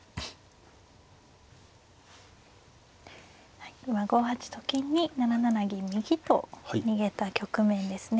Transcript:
はい今５八と金に７七銀右と逃げた局面ですね。